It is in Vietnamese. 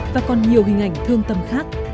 và còn nhiều hình ảnh thương tâm khác